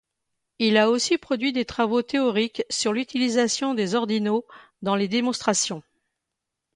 Il a aussi produit des travaux théoriques sur l'utilisation des ordinaux dans les démonstrations.